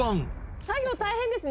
作業大変ですね。